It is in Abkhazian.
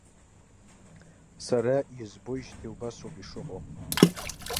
Сара избоижьҭеи убасоуп ишыҟоу.